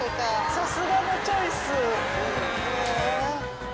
さすがのチョイス。